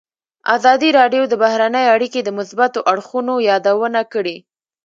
ازادي راډیو د بهرنۍ اړیکې د مثبتو اړخونو یادونه کړې.